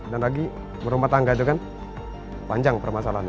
dan lagi rumah tangga juga kan panjang permasalahannya